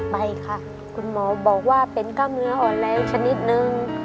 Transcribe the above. ไปค่ะคุณหมอบอกว่าเป็นกล้ามเนื้ออ่อนแรงชนิดนึง